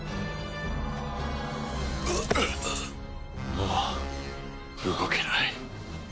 もう動けない。